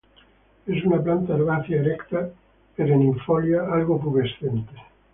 Es una planta herbácea erecta perennifolia, algo pubescente.